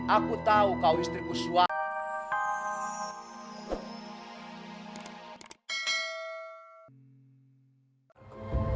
aku tahu kau istriku suara